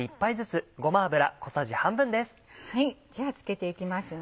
じゃあ漬けていきますね。